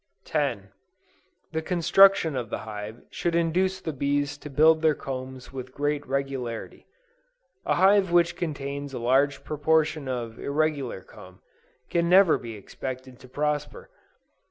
10. The construction of the hive should induce the bees to build their combs with great regularity. A hive which contains a large proportion of irregular comb, can never be expected to prosper.